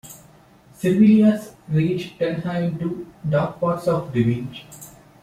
Servilia's rage turns her into dark paths of revenge.